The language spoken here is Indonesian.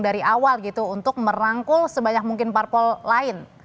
dari awal gitu untuk merangkul sebanyak mungkin parpol lain